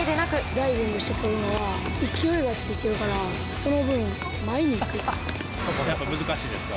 ダイビングして捕るのは勢いがついてるから、その分、前に行やっぱ難しいですか？